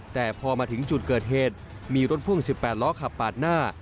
แต่พอมาถึงจุดเกิดเหตุมีรถพ่วง๑๘ล้อขับปาดหน้า